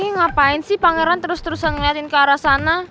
ini ngapain sih pangeran terus terusan ngeliatin ke arah sana